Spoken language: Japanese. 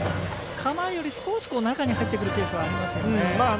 構えより少し中に入ってくるケースがありますよね。